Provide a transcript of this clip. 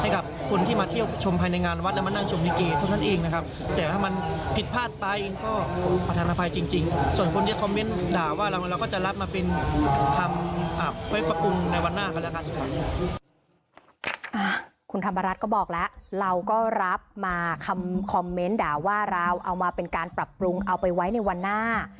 คุณธรรมรัฐก็บอกแล้วเราก็รับมาคำคอมเมนต์ด่าว่าเราเอามาเป็นการปรับปรุงเอาไปไว้ในวันหน้า